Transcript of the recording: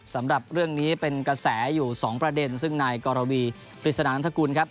สำหรับเรื่องนี้เป็นกระแสอยู่สองประเด็นซึ่งนายกรวีปริศนานันทกุลครับ